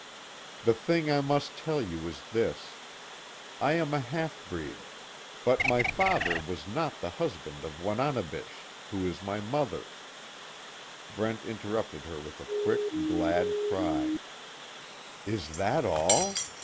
"The thing I must tell you is this. I am a half breed. But my father was not the husband of Wananebish, who is my mother " Brent interrupted her with quick, glad cry: "Is that all?"